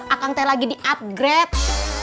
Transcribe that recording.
akang teh lagi diupgrade